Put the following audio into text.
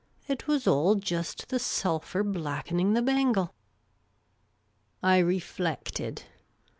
It was all just the sulphur blackening the bangle." I reflected.